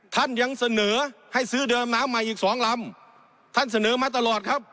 ท่านยังเสนอให้ซื้อเดิมน้ำใหม่อีกสองลำท่านเสนอมาตลอดครับ